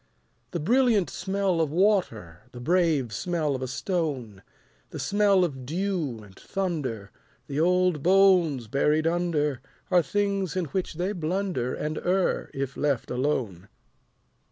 The brilliant smell of water, The brave smell of a stone, The smell of dew and thunder, The old bones buried under, Are things in which they blunder And err, if left alone.